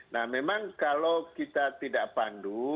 nah memang kalau kita tidak pandu